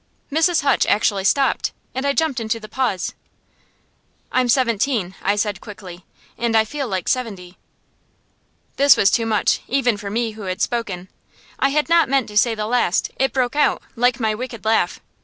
Mrs. Hutch actually stopped, and I jumped into the pause. "I'm seventeen," I said quickly, "and I feel like seventy." This was too much, even for me who had spoken. I had not meant to say the last. It broke out, like my wicked laugh.